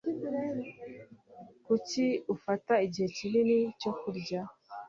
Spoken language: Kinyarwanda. Kuki ufata igihe kinini cyo kurya?